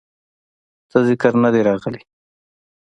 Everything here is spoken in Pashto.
څۀ ذکر نۀ دے راغلے